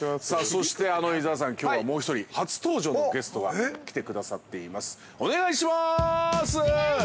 ◆そして、伊沢さん、きょうはもう一人、初登場のゲストが来てくださっています。